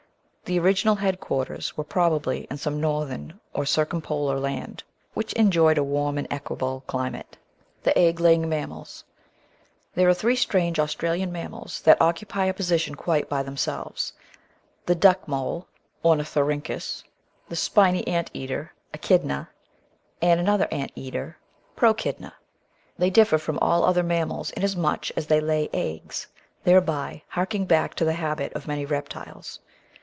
The original headquarters were probably in some northern or circum polar land, which enjoyed a warm and equable climate. Natural Histoiy 45S § 1 The Egg laying Mammals There are three strange Australian mammals that occupy a position quite by themselves — the Duckmole (Omithorhynchus), the Spiny Ant eater (Echidna), and another ant eater (Proe chidna). They differ from all other mammals inasmuch as they lay eggs, thereby harking back to the habit of many reptiles.